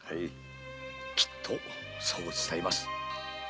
きっとそう伝えます。